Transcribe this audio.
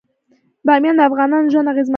بامیان د افغانانو ژوند اغېزمن کوي.